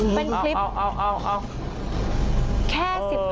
เป็นคลิป